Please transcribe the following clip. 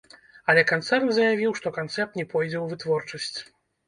Але канцэрн заявіў, што канцэпт не пойдзе ў вытворчасць.